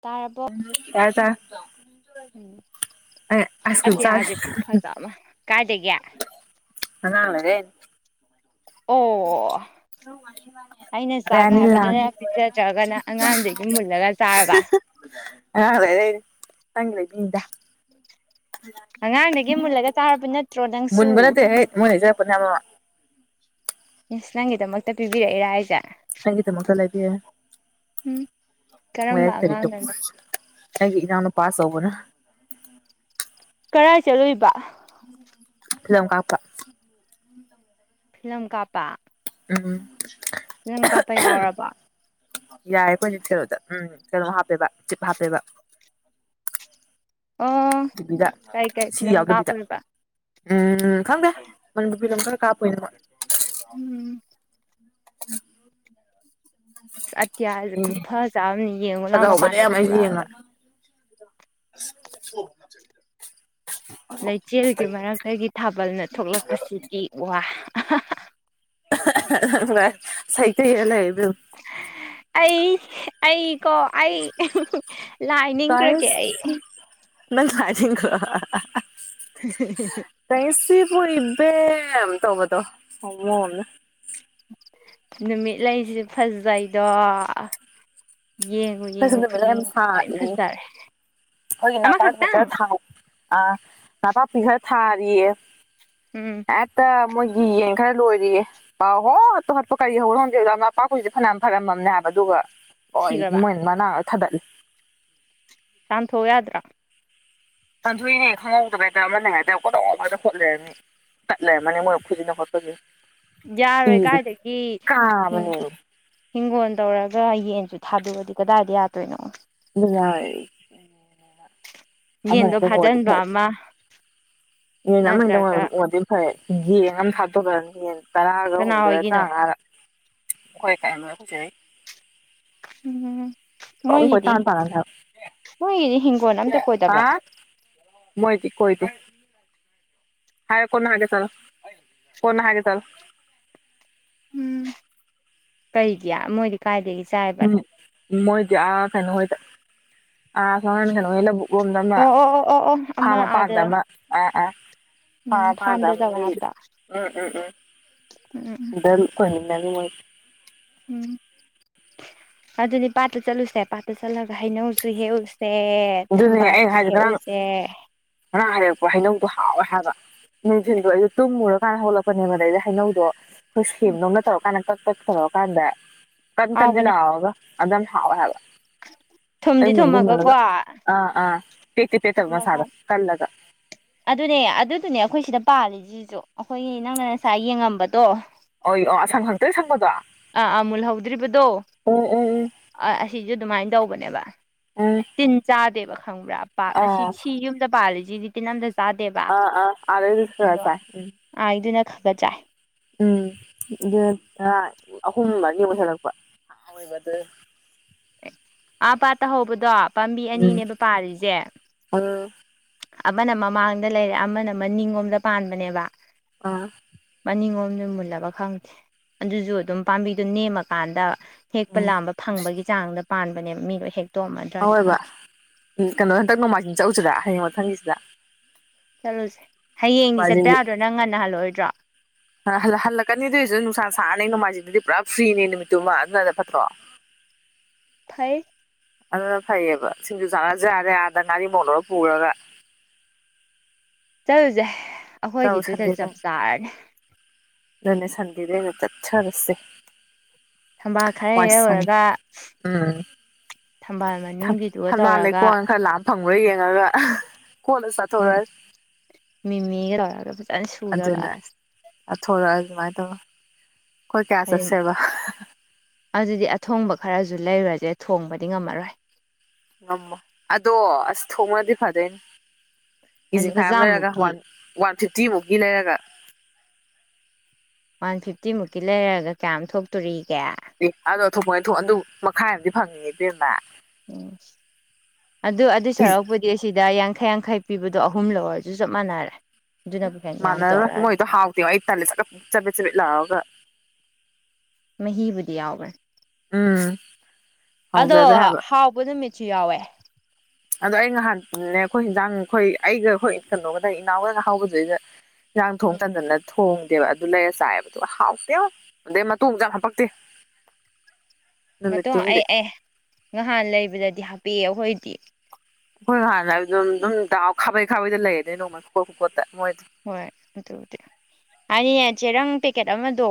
ꯇꯥꯔꯕꯣ꯫ ꯇꯥꯔꯦ ꯇꯥꯔꯦ ꯎꯝ ꯑꯥꯏꯁ ꯀ꯭ꯔꯤꯝ ꯆꯥꯔꯦ ꯑꯇꯤꯌꯥꯖꯦ ꯈꯨꯐꯖ ꯑꯃꯥ ꯀꯥꯏꯗꯒꯦ꯫ ꯑꯉꯥꯡꯅ ꯂꯩꯔꯛꯢꯅꯦ ꯑꯣ꯫ ꯑꯩꯅ ꯑꯩꯈꯣꯏ ꯆꯥꯒꯦ ꯑꯅꯤ ꯂꯥꯛ ꯍꯥꯏꯕꯗꯅ ꯄꯤꯖꯗ꯭ꯔꯒꯅ ꯑꯉꯥꯡꯗꯒꯤ ꯃꯨꯜꯂꯒ ꯆꯥꯔꯕ꯫ ꯑꯉꯥꯡ ꯂꯩꯔꯛꯏꯅꯦ ꯅꯪꯒꯤ ꯂꯩꯕꯤꯅꯤꯗ꯫ ꯑꯉꯥꯡꯗꯒꯤ ꯃꯨꯜꯂꯒ ꯆꯥꯔꯕ ꯅꯠꯇ꯭ꯔꯣ ꯅꯪꯁꯨ ꯃꯨꯟꯕ ꯅꯠꯇꯦꯍꯦ ꯃꯣꯏ ꯂꯩꯖꯔꯛꯄꯅꯦ ꯑꯃ꯫ ꯏꯁ ꯅꯪꯒꯤꯗꯃꯛꯇ ꯄꯤꯕꯤꯔꯛꯏꯔꯥ ꯍꯥꯏꯖꯦ꯫ ꯅꯪꯒꯤꯗꯃꯛꯇ ꯂꯩꯕꯤꯔꯦ ꯎꯝ ꯀꯔꯝꯕ ꯂꯩꯔꯛꯇꯗꯤ ꯇꯣꯛ_ _ ꯑꯉꯥꯡꯅꯅꯣ ꯑꯩꯒꯤ ꯏꯅꯥꯎꯅꯨꯄ ꯑꯆꯧꯕꯅ꯫ ꯀꯔꯥꯏ ꯆꯠꯂꯨꯏꯕ꯫ ꯐꯤꯂꯝ ꯀꯥꯞꯄ꯫ ꯐꯤꯂꯝ ꯀꯥꯞꯄ꯫ ꯎꯝ ꯐꯤꯂꯝ ꯀꯥꯞꯄ ꯌꯥꯎꯔꯕꯣ ꯌꯥꯏ ꯑꯈꯣꯏ ꯀꯩꯅꯣꯗ ꯎꯝ ꯀꯩꯅꯣ ꯍꯥꯞꯄꯦꯕ ꯆꯤꯞ ꯍꯥꯞꯄꯦꯕ꯫ ꯑꯣ ꯇꯤꯕꯤꯗ ꯀꯩ ꯀꯩ ꯁꯤ ꯐꯤꯂꯝ ꯌꯥꯎꯗꯕꯤꯗ ꯀꯥꯞꯄꯨꯏꯕ ꯎꯝ ꯈꯪꯗꯦ ꯃꯅꯤꯄꯨꯔ ꯐꯤꯂꯝ ꯈꯔ ꯀꯥꯄꯨꯏꯅꯤ ꯃꯣꯏ ꯎꯝ [unintelligible] ꯑꯁ ꯑꯇꯤꯌꯥꯖꯦ ꯑꯦ ꯈꯨꯨꯐꯥꯖ ꯑꯃꯅꯤ ꯌꯦꯡꯉꯨ ꯂꯥꯎ ꯐꯖꯍꯧꯕꯅꯦ ꯃꯄꯥꯟꯗ ꯌꯥꯝ ꯑꯩꯁꯨ ꯊꯣꯛꯂꯛꯑꯒ [unintelligible] ꯂꯩꯆꯤꯜꯒꯤ ꯃꯔꯛꯇꯒꯤ ꯊꯥꯕꯜꯅ ꯊꯣꯛꯂꯛꯄꯁꯤꯗꯤ ꯋꯥ ꯑꯍꯥꯍꯥ [unintelligible] ꯋꯥ ꯁꯥꯍꯤꯇ ꯏꯔ ꯂꯩꯌꯨ ꯏꯕꯦꯝ ꯑꯩ ꯑꯩꯀꯣ ꯑꯩ ꯂꯥꯏ ꯅꯤꯡꯒ꯭ꯔꯒꯦ ꯇ꯭ꯋꯥꯏꯁ ꯑꯩ [unintelligible] [unintelligible] ꯀꯩꯁꯤꯕꯨ ꯏꯕꯦꯝ ꯇꯧꯕꯗꯣ ꯍꯣꯃꯣ ꯑꯝꯅ ꯅꯨꯃꯤꯠꯂꯩꯖꯤ ꯐꯖꯩꯗꯣ ꯌꯦꯡꯉꯨ ꯑꯩꯈꯣꯏꯁꯨ ꯌꯦꯡꯉꯨ ꯅꯨꯃꯤꯠ ꯂꯩ ꯈꯨꯗꯤꯡ ꯌꯥꯝ ꯂꯣꯏ ꯁꯥꯠꯂꯤ ꯐꯖꯔꯦ ꯑꯃꯈꯛꯇꯪ ꯑ ꯅꯄꯥꯛꯄꯤ ꯈꯔ ꯊꯥꯔꯤꯌꯦ ꯎꯝ ꯍꯦꯠꯇ ꯃꯣꯏꯒꯤ ꯌꯦꯟ ꯈꯔ ꯂꯣꯏꯔꯤꯌꯦ ꯄꯪꯍꯣꯠꯇ ꯍꯣꯠꯄ ꯀꯔꯤ [unintelligible] ꯅꯄꯥꯛꯄꯤꯁꯦ ꯐꯅꯌꯥꯝ ꯐꯔꯝꯃꯕꯅꯦ ꯍꯥꯏꯕ ꯑꯗꯨꯒ ꯂꯣꯏ ꯁꯤꯈ꯭ꯔꯕ ꯃꯣꯏꯅꯥ ꯃꯅꯥ ꯂꯣꯏ ꯊꯗꯠꯂꯦ ꯇꯥꯟꯊꯣꯛꯎ ꯌꯥꯗ꯭ꯔꯥ ꯇꯥꯟ ꯊꯣꯛꯏꯅꯦ ꯈꯪꯍꯧꯗꯕ ꯍꯦꯛꯇ ꯑꯃꯅ ꯍꯦꯛꯇ [unintelligible] ꯈꯣꯠ ꯂꯩꯔꯝꯅꯤ ꯇꯠ ꯂꯩꯔꯝꯃꯅꯤ ꯃꯣꯏ ꯈꯨꯖꯤꯟꯅ ꯈꯣꯠꯄꯒꯤ ꯌꯥꯔꯣꯏ ꯀꯥꯏꯗꯒꯤ ꯀꯥꯕꯅꯦꯃꯤ ꯍꯤꯡꯒꯣꯜ ꯇꯧꯔꯒ ꯌꯦꯟꯁꯨ ꯊꯥꯗꯣꯛꯑꯗꯤ ꯀꯗꯥꯏꯗꯩ ꯌꯥꯗꯣꯏꯅꯣ ꯅꯨꯉꯥꯏ ꯌꯦꯟꯗꯣ ꯑꯃꯅꯤꯗꯪ ꯑꯣꯏꯔꯗꯤ ꯐꯥꯖꯤꯟꯕ ꯐꯩ ꯑꯃ ꯌꯦꯟ ꯑꯃꯅꯤꯗꯪ ꯅꯠꯇ꯭ꯔꯒ [unintelligible] ꯐꯩ ꯒꯦꯡ ꯑꯃ ꯊꯥꯗꯣꯛꯈ꯭ꯔꯅꯤ ꯌꯦꯟ ꯇꯔꯥꯒ ꯀꯅꯥ ꯍꯨꯝꯗꯣꯏ ꯍꯣꯏꯒꯤꯅꯣ ꯇꯔꯥꯃꯉꯥꯔ [unintelligible] ꯑꯩꯈꯣꯏ ꯆꯦ ꯍꯣꯏ ꯎꯝ ꯄꯨꯡ ꯃꯣꯏꯒꯤꯗꯤ ꯀꯣꯏꯇꯥꯟ ꯇꯥꯟꯅꯅꯤ ꯍꯥꯏꯕ ꯃꯣꯏꯒꯤꯗꯤ ꯍꯤꯡꯒꯣꯜ ꯑꯝꯇ ꯀꯣꯏꯗꯕ꯭ꯔꯣ ꯍꯥ ꯃꯣꯏꯗꯤ ꯀꯣꯏꯗꯦ ꯍꯥꯏꯒꯦ ꯀꯣꯟꯅ ꯍꯥꯏꯒꯦ ꯆꯠꯂꯣ ꯀꯣꯟꯅ ꯍꯥꯏꯒꯦ ꯆꯠꯂꯣ ꯎꯝ ꯀꯩꯒꯤ ꯃꯣꯏꯗꯤ ꯀꯥꯏꯗꯒꯤ ꯎꯝ ꯆꯥꯏꯕꯅꯣ ꯃꯣꯏꯗꯤ ꯑꯥ ꯀꯩꯅꯣꯍꯣꯏꯗ ꯑ [unintelligible] ꯂꯣꯝꯗꯅꯦ ꯑꯣ ꯑꯣ ꯑꯣ ꯑꯣ ꯑꯣ ꯐ꯭ꯔꯥꯝ ꯑꯃ ꯃꯄꯥꯟꯗ ꯑꯥꯗ ꯑꯃ ꯑꯥ ꯑꯥ ꯐ꯭ꯔꯥꯝ ꯎꯝ ꯃꯄꯥꯟꯗ ꯐꯥꯝꯗ ꯑꯃ ꯇꯧꯋꯦ ꯂꯩꯕꯅꯦ ꯍꯥꯏꯕꯗꯣ ꯎꯝ ꯎꯝ ꯎꯝ ꯎꯝ ꯎꯝ [unintelligible] ꯎꯝ ꯑꯗꯨꯗꯤ ꯄꯥꯠꯇ ꯆꯠꯂꯨꯁꯦ ꯄꯥꯠꯇ ꯆꯠꯂꯒ ꯍꯩꯅꯧꯁꯨ ꯍꯦꯛꯎꯁꯦ ꯑꯗꯨꯅꯦ ꯑꯩꯅ ꯊꯝꯕꯥꯜꯁꯨ ꯍꯥꯏꯁꯦ ꯉꯔꯥꯡ ꯍꯦꯛꯎꯁꯦ ꯉꯔꯥꯡ ꯍꯦꯛꯂꯛꯄ ꯍꯩꯅꯧꯗꯣ ꯍꯥꯎꯋꯦ ꯍꯥꯏꯕ ꯅꯤꯡꯅꯨꯡꯗꯣ ꯑꯩꯗꯣ ꯇꯨꯝꯃꯨꯔꯛꯀꯥꯟꯗ ꯍꯧꯒꯠꯂꯛꯄꯅꯦꯕ ꯑꯗꯩꯗꯤ ꯍꯩꯅꯧꯗꯣ [unintelligible] ꯎꯝ ꯇꯧꯔꯀꯥꯟꯗ ꯀꯛ ꯀꯛ ꯇꯧꯔꯛꯀꯥꯟꯗ ꯀꯟ ꯀꯟꯗꯤ ꯍꯥꯎꯕꯅꯦ ꯂꯥꯎꯔꯒ ꯑꯗꯨꯝ ꯍꯥꯥꯎꯋꯦ ꯍꯥꯏꯕ ꯊꯨꯝꯗꯤ ꯊꯨꯝꯃꯒꯀꯣ [unintelligible] ꯑ ꯑ ꯄꯦꯠꯇꯤ ꯄꯦꯠꯇꯝꯃꯦ ꯊꯨꯝꯃꯒ ꯃꯁꯥꯗꯣ ꯀꯜꯂꯒ ꯑꯗꯨꯅꯦ ꯑꯗꯨꯗꯨꯅꯦ ꯑꯩꯈꯣꯏ ꯁꯤꯗ ꯄꯥꯜꯂꯤꯁꯤꯁꯨ ꯑꯩꯈꯣꯏꯒꯤ ꯅꯪꯅ ꯉꯁꯥꯏ ꯌꯦꯡꯉꯝꯕꯗꯣ ꯑꯣ ꯑꯣ ꯑꯁꯪ ꯁꯪꯇꯔꯤ꯭ꯛ ꯁꯪꯕꯗꯣ ꯑꯥꯥ ꯃꯨꯜꯍꯧꯗ꯭ꯔꯤꯕꯗꯣ ꯎꯝ ꯎꯝ ꯎꯝ ꯑꯁꯤꯁꯨ ꯑꯗꯨꯃꯥꯏꯅ ꯇꯧꯕꯅꯦꯕ ꯎꯝ ꯇꯤꯟ ꯆꯥꯗꯦꯕ ꯈꯪꯕ꯭ꯔꯥ ꯄꯥꯛꯅ ꯑꯥ ꯁꯤꯗꯤ ꯁꯤ ꯌꯨꯝꯗ ꯄꯥꯜꯂꯤꯁꯤꯗꯤ ꯇꯤꯟ ꯑꯝꯗ ꯆꯥꯗꯦꯕ ꯑꯥ ꯑꯥ ꯑꯥꯗꯩꯗꯤ ꯈꯔ ꯑꯗꯣ ꯆꯥꯏ ꯑꯩ ꯑꯩꯗꯨꯅ ꯈ ꯈꯥ ꯆꯥꯏ ꯎꯝ ꯑꯗꯨꯗꯨꯅ ꯑꯍꯨꯝ ꯃꯔꯤ ꯃꯨꯛ ꯍꯦꯛꯂꯛꯄ ꯑꯦ ꯑꯥ ꯄꯥꯠꯇ ꯍꯧꯕꯗꯣ ꯄꯥꯝꯕꯤ ꯎꯝ ꯑꯅꯤꯅꯦꯕ ꯄꯥꯟꯂꯤꯁꯦ ꯎꯝ ꯑꯃꯅ ꯃꯃꯥꯡꯗ ꯂꯩꯔꯦ ꯑꯃꯅ ꯃꯅꯤꯡ ꯂꯣꯝꯗ ꯄꯥꯟꯕꯅꯦꯕ ꯑꯥ ꯃꯅꯤꯡ ꯑꯣꯝꯗ ꯃꯨꯜꯂꯕ ꯈꯪꯗꯦ ꯑꯗꯨꯁꯨ ꯑꯗꯨꯝ ꯄꯥꯝꯕꯤꯗꯨꯣ ꯅꯦꯝꯃꯀꯥꯟꯗ ꯍꯦꯛꯄ ꯎꯝ ꯂꯥꯝꯕ ꯐꯪꯕꯒꯤ ꯆꯥꯡꯗ ꯄꯥꯟꯕꯅꯦ ꯃꯤ ꯂꯣꯏ ꯍꯦꯛ ꯑꯣꯏꯕ ꯀꯩꯅꯣ ꯍꯟꯗꯛ ꯅꯣꯡꯃꯥꯏꯖꯤꯡ ꯆꯠꯂꯨꯁꯤꯔ ꯍꯌꯦꯡ ꯃꯥꯊꯪꯒꯤꯁꯤꯗ ꯆꯠꯂꯨꯁꯦ ꯍꯌꯦꯡꯗꯤ ꯆꯠꯄ ꯅꯣꯡꯃꯥꯏꯖꯤꯡꯗꯤ ꯌꯥꯗ꯭ꯔꯣ ꯅꯪ ꯉꯟꯅ ꯍꯜꯂꯛꯑꯣꯏꯗ꯭ꯔꯣ [inaudible] ꯍꯜꯂꯛꯀꯅꯤ ꯑꯗꯨꯏꯁꯨ ꯅꯨꯡꯁꯥ ꯁꯥꯔꯅꯤ ꯅꯣꯡꯃꯥꯏꯖꯤꯡꯗꯨꯗꯤ ꯄꯨꯔꯥ ꯐ꯭ꯔꯤꯅꯦ ꯅꯨꯃꯤꯠꯇꯨꯃ ꯑꯗꯨꯅꯅ ꯐꯠꯇ꯭ꯔꯣ [inaudible] ꯐꯩ ꯑꯗꯨꯅ ꯐꯩꯌꯦꯕ ꯁꯤꯡꯖꯨ ꯆꯥꯅꯖ ꯌꯥꯗꯦ ꯑꯗꯅ ꯉꯥꯔꯤ ꯃꯣꯔꯣꯛ ꯂꯧꯔ ꯄꯨꯔꯒ ꯆꯠꯂꯨꯁꯦ ꯆꯠꯂꯨ ꯑꯩꯈꯣꯏꯒꯤꯗꯨꯗ ꯆꯞ ꯆꯥꯔꯅꯤ ꯑꯗꯨꯅꯤ ꯁꯟꯗꯦꯗꯥ ꯑꯣꯏꯅꯥ ꯆꯠꯊꯔꯁꯦ ꯊꯝꯕꯥꯜ ꯈꯔ [unintelligible] ꯍꯦꯛꯎꯔꯒ ꯎꯝ ꯊꯝꯕꯥꯜ ꯃꯅꯨꯡꯒꯤꯗꯨꯒ ꯊꯝꯅꯥ ꯇꯧꯔꯒ ꯂꯩꯀꯣꯟ ꯈꯔ ꯂꯥꯛ ꯐꯪꯉ꯭ꯔ ꯌꯦꯡꯉꯒ ꯀꯣꯠꯂꯥ ꯆꯥꯊꯣꯔ ꯃꯤꯃꯤꯒꯤ ꯇꯧꯔꯒ ꯐꯖꯅ ꯁꯨꯔꯒ ꯑꯗꯨꯅ ꯊꯣꯔꯛꯑ ꯑꯗꯨꯃꯥꯏꯅ ꯇꯧꯔ ꯑꯩꯈꯣꯏ ꯀꯌꯥ ꯆꯠꯁꯦꯕ ꯑꯗꯨꯗꯤ ꯑꯊꯣꯡꯕ ꯈꯔꯁꯨ ꯂꯩꯔꯨꯔꯁꯦ ꯊꯣꯡꯕꯗꯤ ꯉꯝꯃꯔꯣꯏ ꯉꯝꯃꯣ ꯑꯗꯣ ꯑꯁ ꯊꯣꯡꯉꯗꯤ ꯐꯗꯣꯏꯅꯦ ꯂꯨꯄꯥ ꯀꯤꯖꯤꯡꯈꯥꯏ ꯑꯃ ꯂꯩꯔꯒ ꯆꯥꯝꯃꯨꯛꯀꯤ ꯋꯥꯟ ꯋꯥꯟ ꯐꯤꯐꯇꯤ ꯃꯨꯀꯤ ꯂꯩꯔꯒ ꯋꯥꯟ ꯐꯤꯐꯇꯤ ꯃꯨꯛꯀꯤ ꯂꯩꯔꯒ ꯀꯌꯥꯝ ꯊꯣꯛꯇꯣꯔꯤꯒꯦ ꯑꯗꯣ ꯊꯣꯛꯄ ꯑꯗꯨ ꯃꯈꯥꯏ ꯑꯃꯗꯤ ꯐꯪꯉꯤ ꯏꯕꯦꯝꯃ ꯎꯝ ꯑꯗꯨ ꯑꯗꯨ ꯁꯥꯔꯨꯛꯄꯨꯗꯤ ꯁꯤꯗ ꯌꯥꯡꯈꯩ ꯌꯥꯡꯈꯩ ꯄꯤꯕꯗꯣ ꯑꯍꯨꯝ ꯂꯧꯔꯁꯨ ꯆꯞ ꯃꯥꯟꯅꯔꯦ ꯑꯗꯨꯅꯕꯨ ꯍꯦꯟꯅ ꯌꯥꯝ ꯃꯅꯔꯣꯏ ꯇꯧꯔꯛꯑꯅꯤ ꯃꯣꯏꯗꯣ ꯍꯥꯎꯇꯤꯕ ꯑꯩ ꯇꯜꯂꯦ ꯁ ꯆꯕꯤꯠ ꯆꯕꯤꯠ ꯂꯥꯎꯔꯒ ꯃꯍꯤꯕꯨꯗꯤ ꯌꯥꯎꯕꯅꯦ ꯎꯝ ꯑꯗꯣ ꯍꯥꯎꯖꯗꯦ ꯍꯥꯏꯕ ꯍꯥꯎꯕ ꯅꯨꯃꯤꯠꯁꯨ ꯌꯥꯎꯋꯦ ꯑꯗꯣ ꯑꯩ ꯅꯍꯥꯟꯅꯦ ꯑꯩꯈꯣꯏ ꯍꯟꯖꯥꯡ ꯑꯩꯈꯣꯏ ꯑꯩꯒ ꯑꯩꯈꯣꯏ ꯀꯩꯅꯣꯒꯗ ꯏꯅꯥꯎꯒ ꯉꯥꯏꯍꯧꯕꯗꯨꯗ ꯌꯦꯟꯖꯥꯡ ꯊꯣꯡ ꯎꯝ ꯇꯟꯗꯅ ꯊꯣꯡꯗꯦꯕ ꯑꯗꯨ ꯂꯩꯔ ꯆꯥꯏꯑꯕ ꯑꯗꯨꯒ ꯍꯥꯎꯇꯦꯕꯥ ꯑꯗꯩ ꯃꯇꯣꯡꯁꯨ ꯌꯥꯝ ꯍꯥꯄꯛꯇꯦ [unintelligible] ꯃꯇꯣ ꯑꯩ ꯑꯦ ꯉꯍꯥꯟ ꯂꯩꯕꯗꯗꯤ ꯍꯥꯄꯤꯑꯦ ꯑꯩꯈꯣꯏꯗꯤ ꯑꯩꯈꯣꯏ ꯍꯥꯟꯅ ꯑꯗꯨꯝ ꯑꯗꯨꯝ ꯗꯥꯎ ꯈꯥꯕꯩ ꯈꯥꯕꯩꯗ ꯂꯩꯔꯅꯤ ꯅꯣꯡꯃꯩ ꯈꯨꯀꯣꯠ ꯈꯨꯀꯣꯠꯇ ꯃꯣꯏꯗꯨ ꯍꯣꯏ ꯑꯗꯨꯕꯨꯗꯤ ꯍꯥꯏꯅꯤꯅꯦ ꯆꯦꯔꯪ ꯄꯦꯛꯀꯦꯠ ꯑꯃꯗꯣ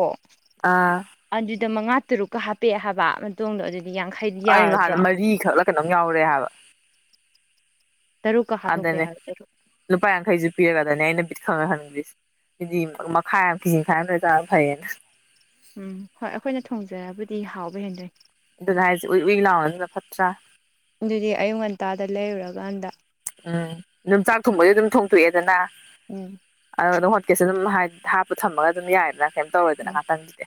ꯑꯥ ꯑꯗꯨꯗ ꯃꯉꯥ ꯇꯔꯨꯛꯀ ꯍꯥꯞꯄꯛꯑꯦ ꯍꯥꯏꯕ ꯃꯇꯨꯡꯗꯣ ꯑꯗꯨ ꯑ ꯌꯥꯡꯈꯩ ꯑꯩ ꯍꯥꯟꯅ ꯃꯔꯤꯈꯛꯂ ꯀꯩꯅꯣꯝ ꯌꯥꯎꯔꯦ ꯍꯥꯏꯕ ꯇꯔꯨꯛꯀ ꯍꯥꯞꯄꯛꯄ ꯑꯗꯅꯦ ꯌꯥꯔꯣꯏ ꯇꯔꯨꯛ ꯂꯨꯄꯥ ꯌꯥꯡꯈꯩꯁꯨ ꯄꯤꯔꯒꯗꯅꯦ ꯑꯩꯅ ꯕꯤꯠ ꯈꯪꯍꯟ ꯍꯟꯒ꯭ꯔꯁꯦ ꯍꯥꯏꯗꯤ ꯃꯈꯥꯏ ꯌꯥꯝ ꯀꯤꯖꯤ ꯃꯈꯥꯏ ꯑꯃ ꯑꯣꯏꯇꯥꯔꯖꯨ ꯐꯩꯌꯦꯅ ꯎꯝ ꯍꯣꯏ ꯑꯩꯈꯣꯏꯅ ꯊꯣꯡꯖꯕꯨꯗꯤ ꯍꯥꯎꯕ ꯍꯦꯟꯗꯣꯏ ꯑꯗꯨ ꯍꯥꯏꯁꯦ ꯎꯏ ꯎꯏ ꯂꯥꯎꯅ ꯑꯗꯨꯅ ꯐꯠꯇ꯭ꯔꯥ ꯑꯗꯨꯗꯤ ꯑꯌꯨꯛ ꯉꯟꯇꯥꯗ ꯂꯩꯔꯨꯔꯀꯥꯟꯗ ꯎꯝ ꯌꯨꯝꯆꯥꯛ ꯊꯣꯡꯕꯗꯤ ꯑꯗꯨꯝ ꯊꯣꯡꯇꯣꯛꯑꯦꯗꯅ ꯎꯝ ꯑ ꯑꯗꯨꯝ ꯍꯣꯠꯀꯦꯁꯦ ꯑꯗꯨꯝ ꯍꯥꯞꯄ ꯊꯝꯃꯒ ꯑꯗꯨꯝ ꯌꯥꯏꯗꯅ ꯀꯩꯝ ꯇꯧꯔꯣꯏꯗꯅ ꯎꯝ ꯉꯍꯥꯛꯇꯪꯁꯤꯗꯤ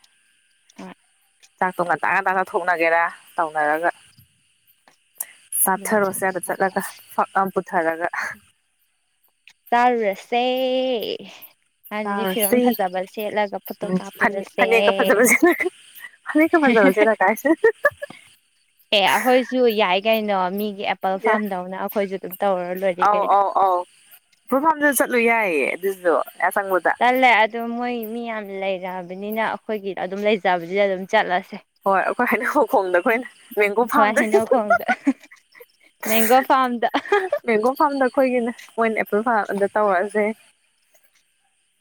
ꯍꯣꯏ ꯆꯥꯛꯇ‌ꯣ ꯉꯥꯟꯇꯥ ꯉꯥꯟꯇꯥ ꯊꯣꯛꯅꯒꯦꯔꯥ ꯇꯧꯅꯔꯒ ꯑꯗꯨꯒ ꯆꯥꯊꯔꯣꯁꯦ ꯑꯗ ꯆꯥꯔꯨꯔꯁꯤ ꯆꯠꯂꯒ ꯐꯛ ꯄꯨꯊꯔꯒ ꯆꯥꯔꯨꯔꯁꯦ ꯑꯗꯨꯗꯤ ꯐꯤꯔꯣꯟ ꯆꯥꯔꯨꯁꯤ ꯐꯖꯕ ꯁꯦꯠꯂꯒ ꯐꯣꯇꯣ ꯎꯝ ꯐꯅꯦꯛ ꯀꯥꯞꯄꯨꯔꯁꯦ ꯐꯅꯦꯛꯀ ꯐꯖꯕ ꯁꯦꯠꯂꯒ ꯐꯅꯦꯛꯀ ꯐꯖꯕ ꯁꯦꯠꯂ ꯀꯥꯏꯁꯦ ꯑꯦ ꯑꯩꯈꯣꯏꯁꯨ ꯌꯥꯏ ꯀꯩꯅꯣ ꯃꯤꯒꯤ ꯑꯦꯄꯜ ꯐꯥꯔꯝꯗꯧꯅ ꯑꯩꯈꯣꯏꯁꯨ ꯑꯗꯨꯝ ꯇꯧꯔ ꯂꯣꯏꯔ ꯀꯩꯅꯣ ꯑꯣ ꯑꯥꯎ ꯄꯣꯐꯥꯝꯗꯁꯨ ꯆꯠꯂꯨ ꯌꯥꯏꯌꯦ ꯑꯗꯨꯁꯨ ꯌꯥꯆꯪꯕꯗ ꯆꯠꯂꯦ ꯑꯗꯣ ꯃꯣꯏ ꯃꯤ ꯌꯥꯝ ꯂꯩꯅꯕꯅꯤꯅ ꯑꯩꯈꯣꯏꯒꯤ ꯑꯗꯨꯝ ꯂꯩꯖꯕꯗꯨꯗ ꯑꯗꯨꯝ ꯆꯠꯂꯁꯦ ꯍꯣꯏ ꯑꯩꯈꯣꯏ ꯍꯩꯅꯦ ꯃꯈꯣꯡꯗ ꯑꯩꯈꯣꯏꯅ ꯃꯦꯡꯒꯣ ꯍꯣꯏ ꯐꯥꯝꯗ ꯍꯩꯅꯧꯈꯣꯡꯗ [unintelligible] ꯃꯦꯡꯒꯣ ꯐꯥꯝꯗ [unintelligible] ꯃꯦꯡꯒꯣ ꯐꯥꯔꯝꯗ ꯑꯩꯈꯣꯏꯒꯤꯅ ꯃꯣꯏꯅ ꯑꯦꯄꯜ ꯐꯥꯔꯝꯗ ꯇꯧꯔꯛꯑꯁꯦ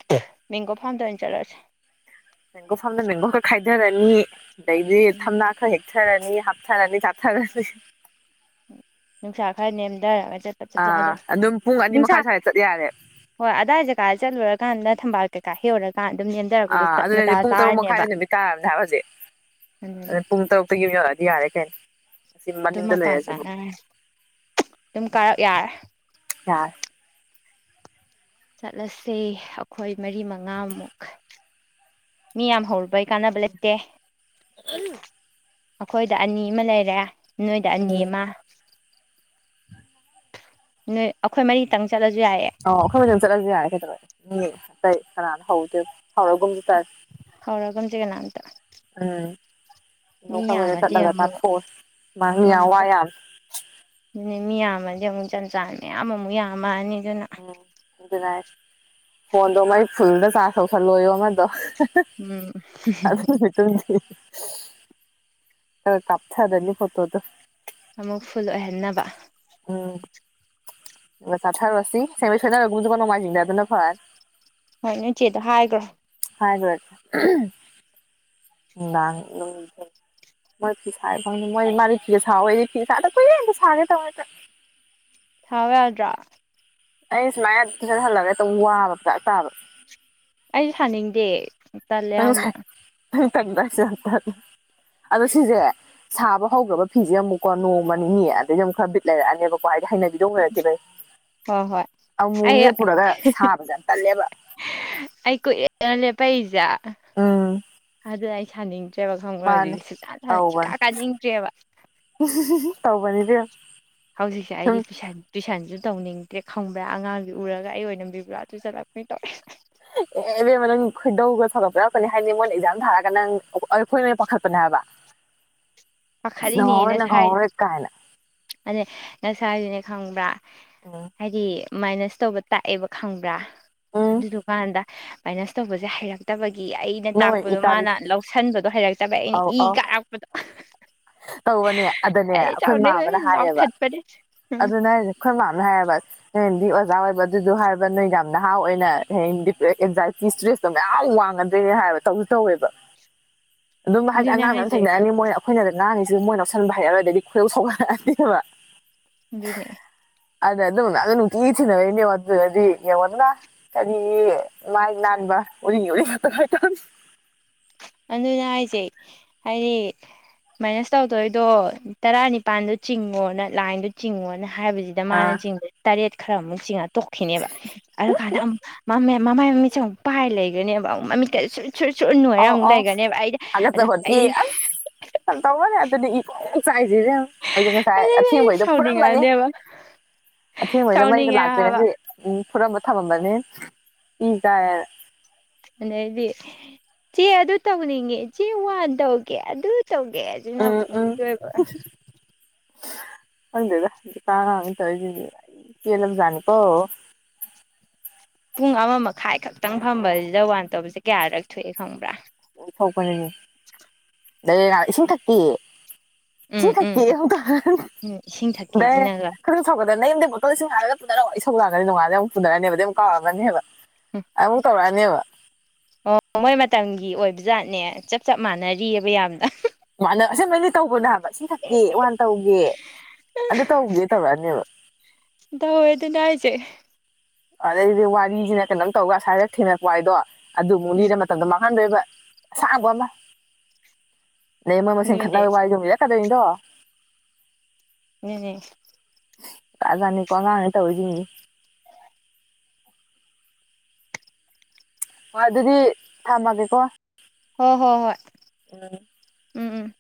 [unintelligible] ꯃ‌ꯦꯡꯒ‌ꯣ ꯐꯥꯝꯗ ꯑ‌ꯣꯏꯅ ꯆꯠꯂꯁꯦ ꯃꯦꯡꯒꯣ ꯐꯝꯗ ꯃꯦꯡꯒꯣ ꯈꯥꯏꯊꯔꯅꯤ ꯑꯗꯩꯗꯤ ꯎꯝ ꯊꯝꯅꯥ ꯈꯔ ꯍꯦꯛꯇ ꯊꯔꯅꯤ ꯍꯥꯞꯊꯔꯅꯤ ꯆꯥꯊꯔꯅꯤ ꯅꯨꯡꯁꯥ ꯈꯔ ꯅꯦꯝꯗꯔꯒ ꯆꯠꯄ ꯆꯞ ꯑꯥ ꯆꯥ‌ꯗ‌ꯣꯏ ꯑꯗꯨꯝ ꯄꯨꯡ ꯑꯅꯤ ꯅꯨꯡꯁꯥ ꯃꯈꯥꯏ ꯁ꯭ꯋꯥꯏꯗ ꯆꯠ ꯌꯥꯔꯦ ꯍꯣꯏ ꯑꯗꯥꯏ ꯖꯥꯒ ꯆꯠꯂꯨꯔꯀꯥꯟꯗ ꯊꯝꯕꯥꯜ ꯀꯩꯀꯥ ꯍꯩꯔꯀꯥꯟ ꯑꯗꯨꯝ ꯅꯦꯝꯗꯔꯛꯄꯗꯣ ꯑꯥ ꯇꯞꯅ ꯑꯗꯨꯅꯗꯤ ꯇꯥꯔ ꯄꯨꯡ ꯇꯥꯔꯅꯦꯕ ꯑꯗꯨꯗ ꯄꯨꯡ ꯇꯔꯨꯛꯇꯒꯤ ꯌꯨꯝ ꯌꯧꯔꯛꯑꯗꯤ ꯌꯥꯔꯦ ꯀꯩꯅꯣ ꯑꯁꯤ ꯑꯗꯨꯝ ꯃꯅꯤꯡꯗ ꯃꯄꯥ ꯂꯩꯔꯁꯤꯕꯨ ꯆꯥꯅꯔꯦ ꯑꯗꯨꯝ ꯀꯔꯛ ꯌꯥꯔꯦ ꯌꯥ ꯆꯠꯂꯁꯦ ꯑꯩꯈꯣꯏ ꯃꯔꯤ ꯃꯉꯥꯃꯨꯛ ꯃꯤ ꯌꯥꯝ ꯍꯧꯔꯨꯕꯩ ꯀꯥꯟꯅꯕ ꯂꯩꯇꯦ ꯑꯩꯈꯣꯏꯗ ꯑꯅꯤ ꯑꯃ ꯂꯩꯔꯦ ꯅꯣꯏꯗ ꯑꯅꯤ ꯎꯝ ꯑꯃ ꯅꯣꯏ ꯑꯩꯈꯣꯏ ꯃꯔꯤꯇꯪ ꯆꯠꯂꯁꯨ ꯌꯥꯏꯌꯦ ꯑꯣ ꯑꯩꯈꯣꯏ ꯑꯗꯨꯝ ꯆꯠꯂꯁꯨ ꯌꯥꯔꯦ ꯀꯩꯗꯧꯔꯦ ꯃꯤ ꯑꯇꯩ ꯀꯅꯥꯅꯣ ꯍꯧꯗ‌ꯣꯏ ꯍꯧꯔꯒꯨꯝꯁꯤ ꯆꯦ ꯍꯧꯔꯒꯨꯝꯁꯤ ꯀꯅꯥꯝꯇ ꯎꯝ ꯃꯤ ꯑꯩꯈ‌ꯣꯏ ꯃꯔꯤꯗ ꯌꯥꯝꯃꯗꯤ ꯆꯠꯂꯒ ꯑꯃꯨꯛ ꯆꯥꯊꯣꯛꯑꯁꯤ ꯃꯥ ꯃꯤ ꯌꯥꯝ ꯋꯥ ꯉꯝꯃꯔꯣꯏ ꯌꯥꯝ ꯑꯗꯨꯅꯦ ꯃꯤ ꯌꯥꯝꯃꯗꯤ ꯑꯃꯨꯛ ꯖꯟ ꯖꯥꯟ ꯃꯌꯥꯝ ꯑꯃꯨꯛ ꯌꯥꯝꯃꯅꯤ ꯑꯗꯨꯅ ꯎꯝ ꯒꯨꯠ ꯅꯥꯏꯠ ꯐꯣꯟꯗꯣ ꯃꯩ ꯐꯨꯜꯗ ꯆꯥꯔꯖ ꯇꯧꯁꯜꯂꯣꯌꯨ ꯑꯃꯗꯣ ꯎꯝ [unintelligible] ꯇ [unintelligible] ꯈꯔ ꯀꯥꯞꯊꯗ‌ꯣꯏꯅꯤ ꯐꯇꯣꯗꯨ ꯑꯃꯨꯛ ꯐꯨꯜ ꯑꯣꯏꯍꯟꯅꯕ ꯎꯝ ꯆꯥꯊꯥ ꯔꯁꯤ ꯁꯒꯨꯝ ꯇꯖꯒꯅ [unintelligible] ꯅ‌ꯣꯡꯃꯥꯏꯖꯤꯡꯗ ꯑꯗꯨꯅ ꯐꯔꯥꯅꯤ ꯍꯣꯏ ꯅꯣꯢꯆꯦꯗ ꯍꯥꯏꯈ꯭ꯔꯣ ꯍꯥꯏꯒ꯭ꯔꯒꯦ [unintelligible] ꯃꯣꯏ ꯐꯤ ꯁꯥꯥꯏ ꯐꯪꯅꯤ ꯃꯣꯏ ꯃꯥꯗꯤ ꯐꯤꯒ ꯁꯥꯎꯋꯦ ꯑꯩꯗꯤ ꯐꯤꯒ ꯁꯥꯗ ꯀꯨꯢꯔꯦ ꯑꯝꯇ ꯁꯥꯒꯦ ꯇꯧꯅꯤ [unintelligible] ꯊꯥꯎ ꯌꯥꯗ꯭ꯔꯣ ꯑꯩ ꯁꯨꯃꯥꯏꯅ ꯇꯨꯁꯟ ꯍꯜꯂꯒ ꯍꯦꯇ ꯋꯥꯕ ꯄꯗ꯭ꯔꯥꯛ ꯇꯥꯕ ꯑꯩꯖꯨ ꯁꯥꯅꯤꯡꯗꯦ ꯇꯜꯂꯦ ꯅꯪ ꯌꯥꯝꯅ ꯉꯁꯥꯏ ꯅꯪ [unintelligible] ꯑꯗꯣ ꯁꯤꯁꯦ ꯁꯥꯕ ꯍꯧꯈ꯭ꯔꯕ ꯐꯤꯁꯦ ꯑꯃꯨꯛꯀꯣ ꯅꯣꯡꯃ ꯅꯤꯅꯤ ꯑꯗꯨꯗꯩꯗꯤ ꯑꯃꯨꯛ ꯈꯔ ꯕꯤꯠ ꯂꯩꯔꯛꯑꯅꯦꯕꯀꯣ ꯍꯥꯏꯗꯤ ꯍꯩꯅꯕꯤ ꯍꯣꯏ ꯍꯣꯏ [unintelligible] ꯑꯃꯨꯛ ꯑꯩ ꯂꯦꯛꯞꯄꯨꯔꯒ ꯁꯥꯕꯁꯦ ꯌꯥꯝ ꯇꯜꯂꯦꯕ ꯑꯩ ꯀꯨꯑꯅ ꯂꯦꯞꯄꯛꯏꯁꯦ ꯎꯝ ꯑꯗꯨꯅ ꯑꯩ ꯁꯥꯅꯤꯡꯗ꯭ꯔꯦꯕ ꯈꯪꯕ꯭ꯔ ꯃꯥꯅꯦ ꯍꯧꯖꯤꯛ ꯁꯨꯛꯀꯥ ꯁꯨꯀꯥ ꯀꯥꯅꯤꯡꯗ꯭ꯔꯦꯕ ꯇꯥꯎꯕꯅꯤꯗꯦ ꯏꯕꯦꯝꯃ ꯍꯧꯖꯤꯛꯁꯦ ꯁꯨꯝ ꯑꯩꯗꯤ ꯇꯨꯢꯁꯟ ꯇꯨꯏꯁꯟꯁꯨ ꯇꯧꯅꯤꯡꯗ꯭ꯔꯦ ꯈꯪꯕ꯭ꯔꯥ ꯑꯉꯥꯡꯗꯣ ꯎꯔꯒ ꯑꯩ ꯑꯣꯏꯅ ꯕꯤꯕꯨꯂ ꯆꯨꯁꯜꯂꯛꯄꯤ ꯇꯧꯋꯦ ꯑꯦꯕꯦꯝꯃ ꯅꯪ ꯈꯣꯏꯗꯧꯒ ꯁꯧꯒꯠꯄ ꯌꯥꯔꯛꯀꯅꯤ ꯍꯥꯏꯅꯤ ꯃꯣꯏꯅ ꯑꯦꯛꯖꯥꯝ ꯊꯥꯔꯒ ꯅꯪ ꯑꯩꯈꯣꯏ ꯃ ꯄꯥꯈꯠꯄꯅꯦ ꯍꯥꯏꯕ ꯅꯪꯍꯧꯔꯔꯣꯏ ꯅꯪꯍꯧꯔꯔꯣꯏ ꯀꯥꯏꯅ ꯑꯗ ꯉꯁꯥꯏꯗꯨꯅꯦ ꯈꯪꯕ꯭ꯔꯥ ꯎꯝ ꯍꯥꯏꯗꯤ ꯃꯥꯏꯅꯁ ꯇꯧꯕ ꯇꯥꯛꯑꯦꯕ ꯈꯪꯕ꯭ꯔꯥ ꯎꯝ ꯑꯗꯨꯗꯨꯀꯥꯟꯗ ꯃꯥꯏꯅꯁ ꯇꯧꯕꯁꯦ ꯍꯩꯔꯛꯇꯕꯒꯤ ꯑꯩꯅ ꯅꯪ ꯑꯣꯏꯅ ꯇꯥꯡꯕꯗꯣ ꯏꯀꯥꯕꯤ ꯃꯥꯅ ꯂꯧꯁꯟꯕꯗꯣ ꯍꯩꯔ ꯇꯕ ꯑꯩꯅ ꯑꯧ ꯏ ꯑꯧ ꯀꯥꯔꯛꯄꯗꯣ ꯇꯧꯕꯅꯦ ꯑꯗꯨꯗꯅꯦ ꯑꯩ ꯑꯩꯈꯣꯏ ꯏ ꯃꯥ ꯆꯥꯎꯅꯤꯡꯉꯦ ꯑꯃꯅ ꯍꯥꯏꯌꯦꯕ ꯂꯥꯎꯊꯠꯄꯅꯦ ꯎꯝ ꯑꯗꯨ [unintelligible] ꯑꯩꯈꯣꯏ ꯃꯥꯝꯅ ꯍꯥꯏꯕ ꯅꯣꯏꯅꯗꯤ ꯑꯣꯖꯥ ꯑꯣꯏꯕ ꯑꯗꯨꯣ ꯍꯥꯏꯕ ꯅꯣꯏ ꯌꯥꯝ ꯅꯍꯥ ꯑꯣꯏꯅꯗꯤ ꯍꯌꯦꯡ ꯗꯤꯄ꯭ꯔꯦ ꯑꯦꯟꯖꯥꯏꯇꯤ ꯏꯁꯇ꯭ꯔꯦꯁ ꯃꯌꯥꯝ ꯋꯥꯡꯉꯗꯣꯏꯅꯤ ꯍꯥꯏꯕ ꯇꯧꯁꯨ ꯇꯧꯋꯦꯕ ꯑꯗꯨꯝ ꯍꯥꯏꯗꯤ ꯑꯗꯨꯅ ꯑꯉꯥꯡ ꯃꯌꯥꯝ ꯍꯥꯏꯁꯦ ꯊꯦꯡꯅꯑꯅꯤ ꯃꯣꯏ ꯑꯩꯈꯣꯏꯅꯗ ꯉꯥꯡꯉꯤꯁꯤ ꯃꯣꯏ ꯂꯧꯁꯟꯕ ꯍꯩꯔꯔꯣ ꯑꯗꯨꯗꯩꯗꯤ ꯈꯣꯏꯔꯧ ꯁꯧꯒꯠꯂꯛ ꯑꯅꯤꯕ ꯗꯨꯅꯦ ꯑꯩ ꯑꯗ ꯑꯗꯨꯅꯗꯣ ꯅꯨꯡꯇꯤꯒꯤ ꯊꯦꯅꯩꯅꯤ ꯌꯦꯡꯉꯣ ꯑꯗꯨꯗꯨꯅꯗꯤ ꯌꯦꯉꯣꯗꯅ ꯀꯔꯤ ꯃꯥꯏ ꯅꯥꯟꯕ ꯎꯔꯤꯡꯒꯤ ꯎꯔꯤꯡ ꯉꯥꯛꯇ ꯉꯥꯏꯇꯣꯛꯑꯅꯤ ꯑꯗꯨꯅ ꯍꯥꯏꯁꯦ ꯑꯩ ꯃꯥꯏꯅꯁ ꯇꯧꯗꯣꯏꯗꯣ ꯇꯔꯥꯅꯤꯄꯥꯜꯗꯣ ꯆꯤꯡꯉꯣꯅ ꯂꯥꯏꯟꯗꯣ ꯆꯤꯡꯉꯣꯅ ꯍꯥꯏꯕꯁꯤ ꯗ ꯃꯅ ꯑꯥ ꯆꯤꯡꯗꯣꯢꯁꯦ ꯇꯔꯦꯠ ꯈꯔꯃꯨꯛ ꯆꯤꯡꯉ ꯇꯣꯛꯈꯤꯅꯦꯕ ꯑꯗꯨ ꯀꯥꯟꯗ ꯑꯃꯨꯛ ꯃ ꯃꯦ ꯃꯃꯥꯏ ꯃꯃꯤꯠꯁꯦ ꯑꯃꯨꯛ ꯄꯥꯏꯔ ꯂꯩꯒ꯭ꯔꯅꯤꯕ ꯑꯃꯨꯛ ꯃꯃꯤꯠꯇ ꯀꯁꯦ ꯁꯨꯠ ꯁꯨꯠ ꯁꯨꯠ ꯅꯣꯏꯔ ꯑꯧ ꯑꯃꯨꯛ ꯑꯧ ꯂꯩꯒ꯭ꯔꯅꯤꯕ ꯑꯩꯗꯤ ꯑ ꯑꯩ ꯍꯥꯝ ꯇꯧꯕꯅꯦ ꯑꯗꯨꯗꯤ ꯑꯤ ꯄ꯭ꯔꯣꯛ ꯄ꯭ꯔꯣꯛ ꯆꯥꯛꯏꯁꯦ ꯏꯕꯦꯝꯃ ꯑꯩꯖꯨ ꯉꯁꯥꯏ ꯑꯊꯦꯡꯕꯩꯗꯣ ꯐꯨꯔꯝꯃꯅꯤ ꯁꯥꯎꯅꯤꯡꯉꯛꯑꯅꯦꯕ ꯑꯊꯦꯡꯕꯩꯗꯣ ꯃꯩꯗ ꯁꯥꯎꯅꯤꯡꯉꯦ ꯍꯥꯏꯕ ꯂꯥꯛꯇ꯭ꯔꯤꯉꯁꯤ ꯎꯝ ꯐꯨꯔꯝꯕ ꯊꯝꯃꯝꯕꯅꯤ ꯏ ꯀꯥꯏꯌꯦꯅ ꯑꯗꯩꯗꯤ ꯆꯦ ꯑꯗꯨ ꯇꯧꯅꯤꯡꯉꯦ ꯆꯦ ꯋꯥꯟ ꯇꯧꯒꯦ ꯑꯗꯨ ꯇꯧꯒꯦ ꯑꯗꯨ ꯅꯕꯨ ꯎꯝ ꯎꯝ ꯑꯝꯇꯣꯏꯕ ꯈꯪꯗꯦꯗ ꯍꯧꯖꯤꯀꯥꯟ ꯑꯉꯥꯡꯅꯦꯅ ꯇꯧꯔꯤꯁꯤꯁꯦ ꯄꯦꯜꯂꯕ ꯖꯥꯠꯅꯤꯀꯣ ꯄꯨꯡ ꯑꯃ ꯃꯈꯥꯏ ꯈꯛꯇꯪ ꯐꯕꯁꯤꯗ ꯋꯥꯟ ꯇꯧꯕꯁꯦ ꯀꯌꯥꯔꯛ ꯊꯣꯛꯏ ꯈꯪꯕ꯭ꯔꯥ ꯊꯣꯛꯄꯅꯤꯅꯦ ꯑꯗꯩ ꯉ ꯏꯁꯤꯡ ꯊꯛꯀꯦ ꯏꯁꯤ ꯎꯝ ꯎꯝ ꯊꯛꯀꯦ ꯍꯧꯀ ꯎꯝ ꯏꯁꯤꯡ ꯗꯩ ꯊꯛꯀꯦꯁꯤꯅꯒ ꯈꯣꯗꯧ ꯁꯧꯒꯗ ꯅꯌꯨꯝꯗꯩ ꯕꯣꯇꯜ ꯏꯁꯤꯡ ꯍꯥꯏꯔꯒ ꯄꯨꯅꯔꯛꯑꯣ ꯏꯁꯧ ꯂꯥꯛꯅꯤ ꯅꯣꯡꯉꯥꯜꯂꯒ ꯑꯃꯨ ꯄꯨꯅꯔꯛꯑꯅꯦꯕ ꯑꯗꯨꯗꯩ ꯑꯃꯨꯛ ꯀꯥꯎꯔꯥꯝꯃꯅꯤꯕ ꯑꯃꯨꯛ ꯇꯧꯔꯛꯑꯅꯦꯕ ꯑꯣ ꯃꯣꯏ ꯃꯇꯝꯒꯤ ꯑꯣꯏꯕ ꯖꯥꯠꯅꯦ ꯆꯞ ꯆꯞ ꯃꯥꯟꯅꯔꯤꯌꯦꯕ ꯌꯥꯝꯅ ꯃꯥꯅ ꯑꯁꯦꯡꯕꯩꯗꯤ ꯇꯧꯕꯅꯦ ꯍꯥꯏꯕ ꯏꯁꯤꯡ ꯊꯛꯀꯦ ꯋꯥꯟ ꯇꯧꯒꯦ ꯑꯗ ꯇꯧꯒꯦ ꯇꯧꯔꯛꯑꯅꯦꯕ ꯗꯧꯋꯦ ꯑꯗꯨꯅꯦ ꯍꯥꯏꯖꯦ ꯑꯗꯩꯗꯨꯗꯤ ꯋꯥꯔꯤꯖꯤꯅ ꯀꯩꯅꯣꯝ ꯇꯧꯕꯒ ꯑꯁꯥꯏꯗ ꯊꯦꯡꯅꯔꯛꯄ ꯋꯥꯔꯤꯗꯣ ꯑꯗꯨ ꯑꯃꯨꯛ ꯂꯤꯔ ꯃꯇꯝꯗꯣ ꯃꯥꯡ ꯍꯟꯗꯣꯏꯕ ꯑꯁꯥꯡꯕ ꯑꯃ ꯑꯗꯩ ꯃꯣꯏ ꯃꯁꯦꯟ ꯑꯗꯨꯅꯦ ꯈꯠꯅꯕ ꯋꯥꯔꯤꯗꯨ ꯑꯃꯨꯛ ꯂꯤꯔꯛ ꯀꯗꯣꯏꯗꯣ ꯅꯤꯅꯦ ꯖꯠ ꯖꯠꯅꯤꯀꯣ ꯑꯉꯥꯡꯅꯦ ꯇꯧꯔꯤꯖꯤꯡꯖꯦ ꯍꯣꯏ ꯑꯗꯨꯗꯤ ꯊꯝꯃꯒꯦꯀꯣ ꯍꯣ ꯍꯣ ꯍꯣꯏ ꯎꯝ ꯎꯝ